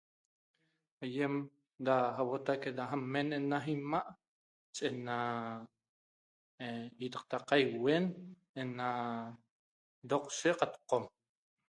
Ayem da ahua itaque da amen ena imaa' ena ietaqta caihuen ena doqshec qat qom